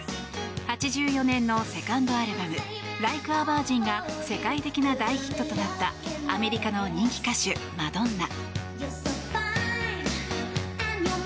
８４年のセカンドアルバム「ライク・ア・ヴァージン」が世界的な大ヒットとなったアメリカの人気歌手、マドンナ。